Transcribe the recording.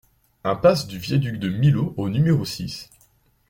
Impasse du Viaduc de Millau au numéro six